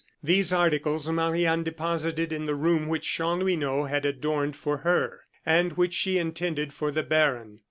These articles Marie Anne deposited in the room which Chanlouineau had adorned for her, and which she intended for the baron.